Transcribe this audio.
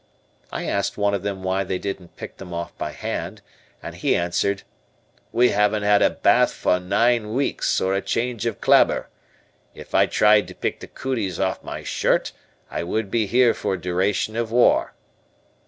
I asked one of them why they didn't pick them off by hand, and he answered, "We haven't had a bath for nine weeks or a change of clabber. If I tried to pick the 'cooties' off my shirt, I would be here for duration of war."